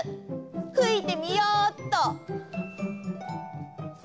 ふいてみようっと！